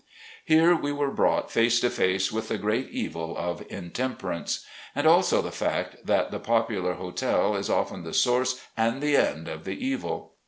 Here we were brought face to face with the great evil of intemperance. And also the fact that the popular hotel is often the source and the end of the evil.